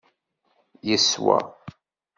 Yeswa.